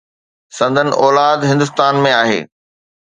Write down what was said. سندن اولاد هندستان ۾ آهي.